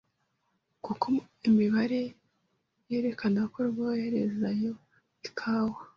kuko imibare yerekana ko rwoherezayo ikawa